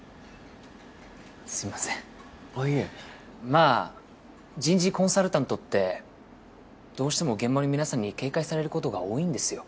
まあ人事コンサルタントってどうしても現場の皆さんに警戒される事が多いんですよ。